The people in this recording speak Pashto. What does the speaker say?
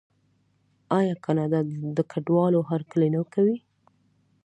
آیا کاناډا د کډوالو هرکلی نه کوي؟